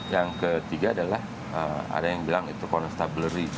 yang ketiga adalah ada yang bilang itu constabulary